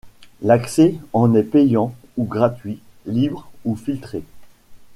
L'accès en est payant ou gratuit, libre ou filtré.